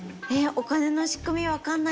お金の仕組みわかんないまま